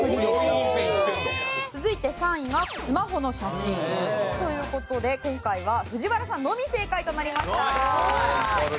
続いて３位がスマホの写真。という事で今回は藤原さんのみ正解となりました。